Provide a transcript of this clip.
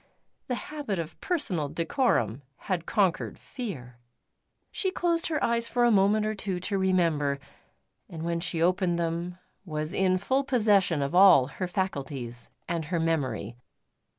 The habit of personal decorum had conquered fear. She closed her eyes for a moment or two to remember, and when she opened them was in full possession of all her faculties and her memory.